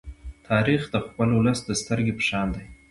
تاریخ د خپل ولس د سترگې په شان دی.